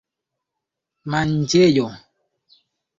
manĝejo